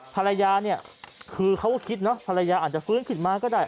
ภรรยาเนี่ยคือเขาก็คิดเนอะภรรยาอาจจะฟื้นขึ้นมาก็ได้